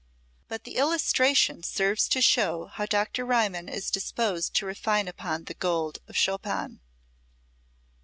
But the illustration serves to show how Dr. Riemann is disposed to refine upon the gold of Chopin.